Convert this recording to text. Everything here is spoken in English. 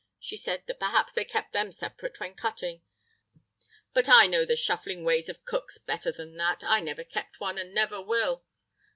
She said that perhaps they kept them separate when cutting; but I know the shuffling ways of cooks better than that! I never kept one, and I never will....